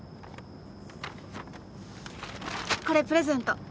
これプレゼント。